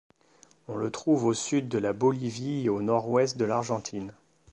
On le trouve au sud de la Bolivie et au nord-ouest de l'Argentine.